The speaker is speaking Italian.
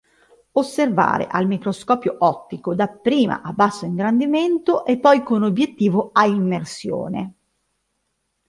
Osservare al microscopio ottico dapprima a basso ingrandimento e poi con obiettivo a immersione.